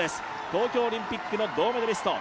東京オリンピックの銅メダリスト。